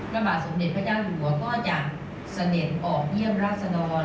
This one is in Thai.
พระบาทสมเด็จพระเจ้าหัวก็จะเสด็จออกเยี่ยมราชดร